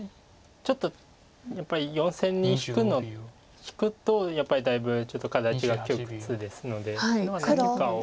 ちょっとやっぱり４線に引くの引くとやっぱりだいぶちょっと形が窮屈ですので何かを。